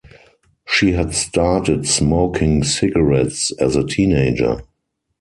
She had started smoking cigarettes as a teenager.